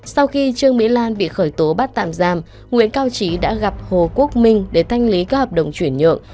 sau khi trương mỹ lan bị khởi tố bắt tạm giam nguyễn cao trí đã gặp hồ quốc minh để thanh lý các hợp đồng chuyển nhượng